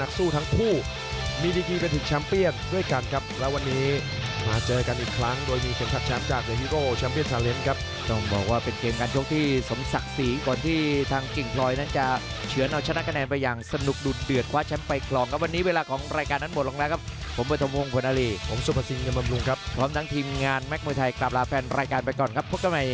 คุณตร่านั้นคือจังหวะเผยก้างคอครับ